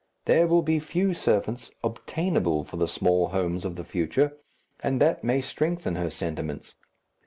There will be few servants obtainable for the small homes of the future, and that may strengthen her sentiments.